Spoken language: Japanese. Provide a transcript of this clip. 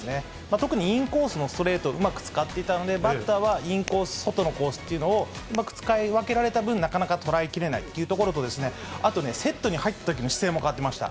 特にインコースのストレートをうまく使っていたので、バッターはインコース、外のコースというのをうまく使い分けられた分、なかなか捉えきれないというところと、あとね、セットに入ったときの姿勢も変わってました。